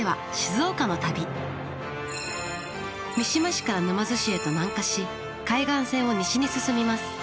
三島市から沼津市へと南下し海岸線を西に進みます。